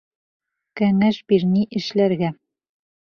Кәңәш бир ни эшләргә?